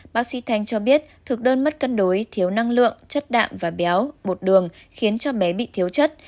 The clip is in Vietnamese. bác sĩ thanh cho biết thực đơn mất cân đối thiếu năng lượng chất đạm và béo bột đường khiến cho bé bị thiếu chất